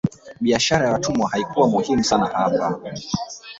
Biashara ya watumwa haikuwa muhimu sana hapa